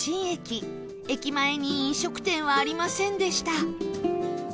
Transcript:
駅前に飲食店はありませんでした